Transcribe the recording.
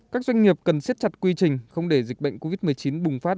các doanh nghiệp cần siết chặt quy trình không để dịch bệnh covid một mươi chín bùng phát